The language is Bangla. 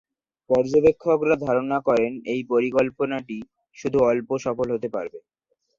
পর্যবেক্ষকরা ধারণা করেন এই পরিকল্পনাটি শুধু অল্প সফল হতে পারবে।